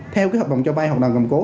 theo hợp đồng cho bay hoặc là cầm cố